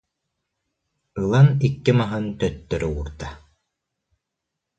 » Ылан икки маһын төттөрү уурда